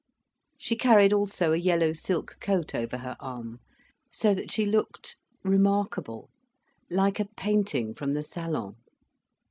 She carried also a yellow silk coat over her arm, so that she looked remarkable, like a painting from the Salon.